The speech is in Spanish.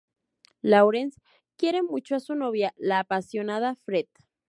Laurence quiere mucho a su novia, la apasionada Fred.